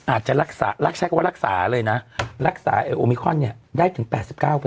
อาจจะรักษาใช้คำว่ารักษาเลยนะรักษาโอมิคอนเนี่ยได้ถึง๘๙